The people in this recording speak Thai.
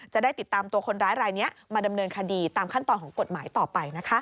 จะได้ติดตามตัวคนร้ายรายนี้มาดำเนินคดีตามขั้นตอนของกฎหมายต่อไปนะคะ